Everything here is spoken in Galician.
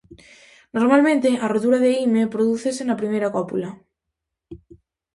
Normalmente, a rotura de hime prodúcese na primeira cópula.